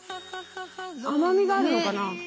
甘みがあるのかな？ね。